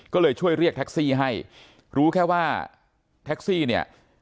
ก็เลยช่วยเรียกแท็กซี่ให้รู้แค่ว่าแท็กซี่เนี่ย